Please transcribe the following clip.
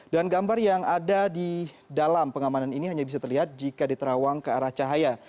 dan gambar yang ada di dalam pengamanan ini hanya bisa terlihat jika diterawang ke arah cahaya